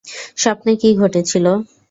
স্বপ্নে কী ঘটেছিল?